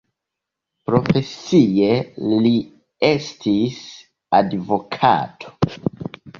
Profesie li estis advokato.